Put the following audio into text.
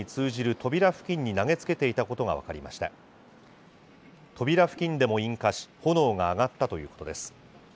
扉付近でも引火し、炎が上がったということです。